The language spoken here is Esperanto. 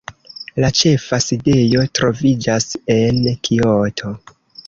La ĉefa sidejo troviĝas en Kioto.